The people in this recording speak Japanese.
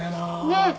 ねえ？